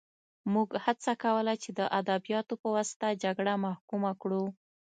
موږ هڅه کوله چې د ادبیاتو په واسطه جګړه محکومه کړو